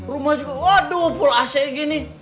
rumah juga waduh pulau ac gini